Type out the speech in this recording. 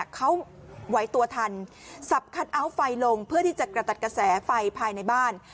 เขาไหวตัวทันสับคัทเอาท์ไฟลงเพื่อที่จะกระตัดกระแสไฟภายในบ้าน